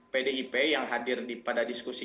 pdip yang hadir pada diskusi